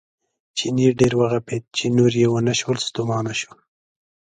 چیني ډېر وغپېد چې نور یې ونه شول ستومانه شو.